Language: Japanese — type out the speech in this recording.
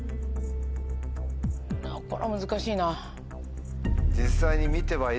これは難しいな。